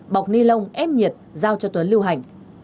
bọc ni lông ép nhiệt giao cho tuấn lưu hành